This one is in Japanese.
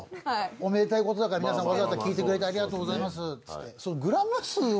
おめでたいことだから皆さんわざわざ聞いてくれてありがとうございますっつって。